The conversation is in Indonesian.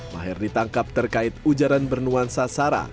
maher ditangkap terkait ujaran bernuansa sara